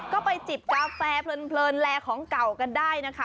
ก็ไปจิบกาแฟเพลินแลของเก่ากันได้นะคะ